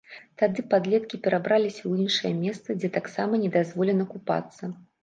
Тады падлеткі перабраліся ў іншае месца, дзе таксама не дазволена купацца.